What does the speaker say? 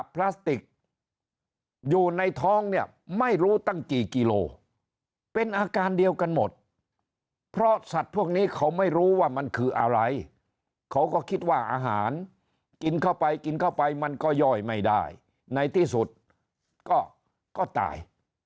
พลาสติกอยู่ในท้องเนี่ยไม่รู้ตั้งกี่กิโลเป็นอาการเดียวกันหมดเพราะสัตว์พวกนี้เขาไม่รู้ว่ามันคืออะไรเขาก็คิดว่าอาหารกินเข้าไปกินเข้าไปมันก็ย่อยไม่ได้ในที่สุดก็ตาย